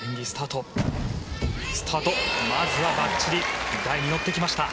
まず、ばっちり台に乗りました。